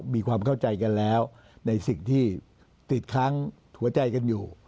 มีความเข้าใจกันแล้วในสิ่งที่ติดค้างหัวใจกันอยู่